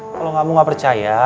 kalo kamu gak percaya